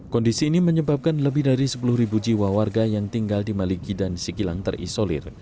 kondisi ini menyebabkan lebih dari sepuluh jiwa warga yang tinggal di maligi dan sikilang terisolir